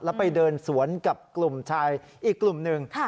แล้วไปเดินสวนกับกลุ่มชายอีกกลุ่มหนึ่ง